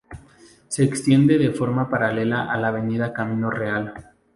Se extiende de forma paralela a la avenida Camino Real.